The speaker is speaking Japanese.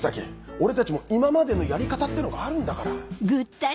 俺たちも今までのやり方ってのがあるんだから。